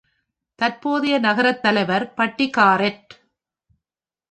தற்போதைய நகரத்தலைவர் பட்டி காரெட்.